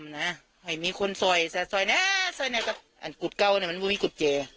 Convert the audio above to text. ไห้มีคนซ่อยซะซ่อยน่ะซ่อยน่ะก็อันกุดเก้าน่ะมันไม่มีกุดเจ